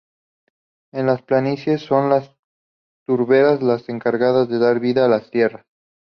En las planicies son las turberas las encargadas de dar vida a las tierras.